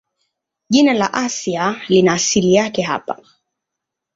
Jina la Asia lina asili yake hapa.